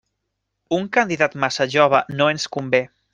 Un candidat massa jove no ens convé.